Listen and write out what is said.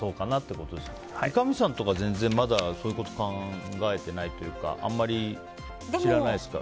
三上さんとか全然まだそういうこととか考えてないというかあまり知らないですか？